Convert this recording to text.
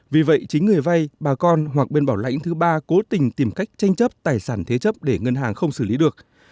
vì vậy chính người vay bà con hoặc bên bảo lãnh thứ ba cố tình tìm cách tranh chấp tài sản thế chấp để ngân hàng không xử lý được